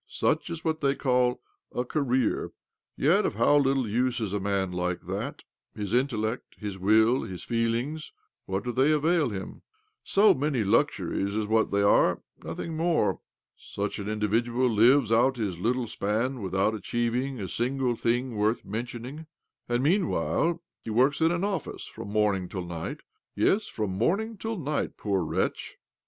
Such is what they call ' a career ' 1 Yjet of how little use is a man like that 1 His intellect, his will, his feelings— what doi they avail him? So many luxuries is what they, 3 34 OBLOMOV are— nothing more. Such ал individual lives out his little span without a chieving a single thing worth mentioning ; and meanwhile he works in an office from morning till night — yes, from morning till night, poor wretch